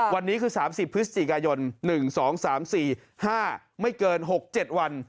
วันนี้คือ๓๐พฤศจิกายน๑๒๓๔๕ไม่เกิน๖๗วัน